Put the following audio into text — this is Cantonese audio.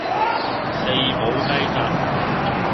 四寶雞扎